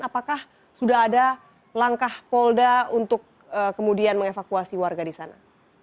apakah sudah ada langkah polda untuk kemudian mengevakuasi warga di sana